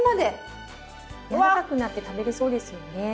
やわらかくなって食べれそうですよね。